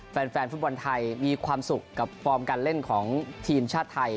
แฟนฟุตบอลไทยมีความสุขกับฟอร์มการเล่นของทีมชาติไทย